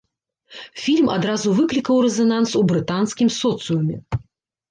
Фільм адразу выклікаў рэзананс у брытанскім соцыуме.